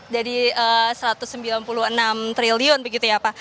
jadi satu ratus sembilan puluh enam triliun begitu ya pak